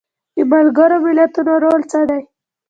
د ملګرو ملتونو رول څه دی؟